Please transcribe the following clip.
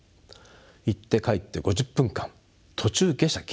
行って帰って５０分間途中下車禁止。